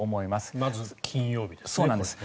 まず金曜日ですね。